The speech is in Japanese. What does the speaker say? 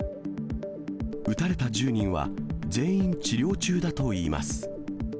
撃たれた１０人は、全員治療中だといいます。